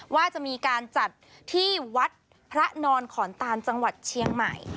ว่าจะมีการจัดที่วัดพระนอนขอนตานจังหวัดเชียงใหม่